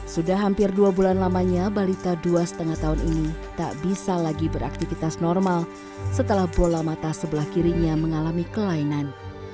sudah hampir dua bulan lamanya balita dua lima tahun ini tak bisa lagi beraktivitas normal setelah bola mata sebelah kirinya mengalami kelainan